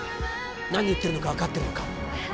何言ってるのか分かってるのか？